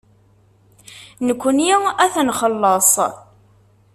Nekkni ad t-nxelleṣ.